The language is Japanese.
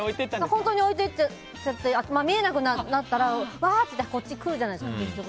本当に置いていって見えなくなったらわーって言ってこっち来るじゃないですか結局。